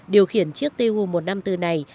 điều khiển chiếc tu một trăm năm mươi bốn này